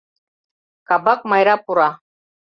Кабак Майра пура.